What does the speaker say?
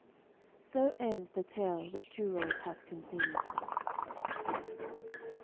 SO ENDS THE TALE WHICH TUROLD HATH CONCEIVED.